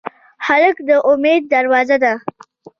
هلک د امید دروازه ده.